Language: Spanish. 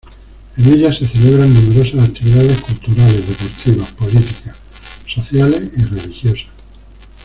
En ella se celebran numerosas actividades culturales, deportivas, políticas, sociales y religiosas.